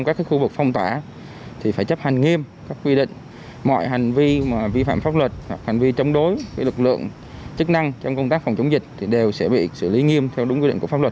chúng tôi xác định đây là án điểm để xử lý nghiêm theo quy định pháp luật